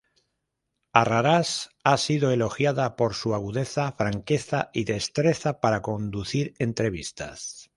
Arrarás ha sido elogiada por su agudeza, franqueza y destreza para conducir entrevistas.